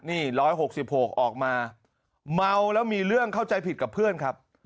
นี่๑๖๖ออกมาเมาแล้วมีเรื่องเข้าใจผิดกับเพื่อนครับ